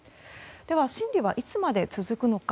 では審理はいつまで続くのか。